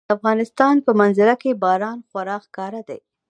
د افغانستان په منظره کې باران خورا ښکاره دی.